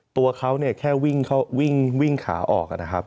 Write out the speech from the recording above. ตัวเขาแค่วิ่งขาออกนะครับ